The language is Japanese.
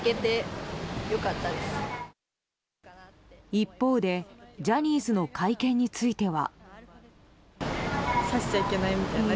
一方でジャニーズの会見については。